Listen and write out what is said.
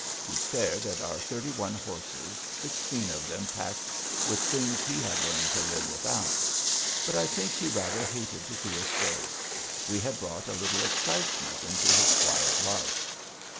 He stared at our thirty one horses, sixteen of them packed with things he had learned to live without. But I think he rather hated to see us go. We had brought a little excitement into his quiet life.